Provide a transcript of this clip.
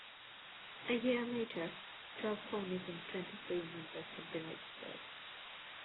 A year later, twelve ponies and twenty-three members had been registered.